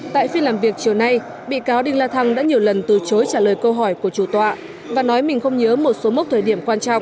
tại phiên làm việc chiều nay bị cáo đinh la thăng đã nhiều lần từ chối trả lời câu hỏi của chủ tọa và nói mình không nhớ một số mốc thời điểm quan trọng